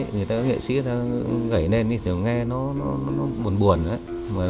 người ta có nghệ sĩ người ta gãy lên thì nghe nó buồn buồn đấy